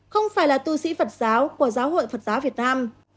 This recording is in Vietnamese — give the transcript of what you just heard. không phải là tu sĩ phật giáo của giáo hội phật giáo việt nam